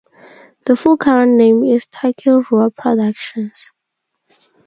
The full current name is Taki Rua Productions.